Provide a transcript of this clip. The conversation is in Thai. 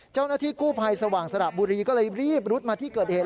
เจ้าหน้าที่กู้ภัยสว่างสระบุรีก็เลยรีบรุดมาที่เกิดเหตุ